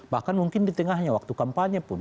bahkan mungkin di tengahnya waktu kampanye pun